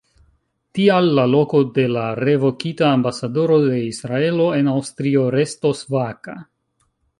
Tial la loko de la revokita ambasadoro de Israelo en Aŭstrio restos vaka.